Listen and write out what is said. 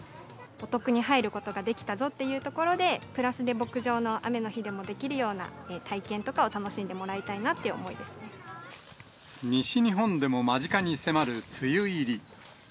お得に入ることができたぞっていうところで、プラスで牧場の雨の日でもできるような体験とかを楽しんでもらい西日本でも間近に迫る梅雨入り。